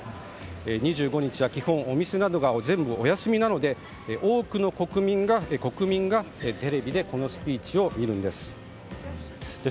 ２５日は基本お店などが全部お休みなので多くの国民がテレビでこのスピーチを見るんです。